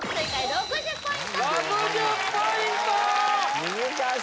６０ポイント！